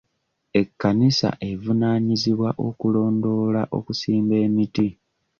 Ekkanisa evunaanyizibwa okulondoola okusimba emiti.